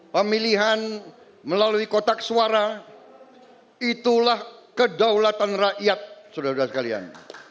pemilihan melalui kotak suara itulah kedaulatan rakyat saudara saudara sekalian